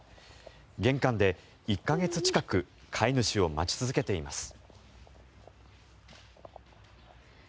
玄関で１か月近く飼い主を待ち続けています。